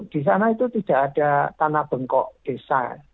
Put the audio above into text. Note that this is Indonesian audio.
di sana itu tidak ada tanah bengkok desa